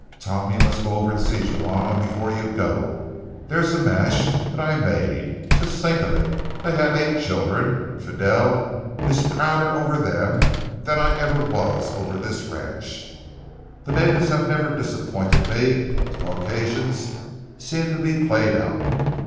Tom, you must go over and see Juana before you go. There was a match that I made. Just think of it, they have eight children, and Fidel is prouder over them than I ever was of this ranch. The natives have never disappointed me, but the Caucasian seems to be played out."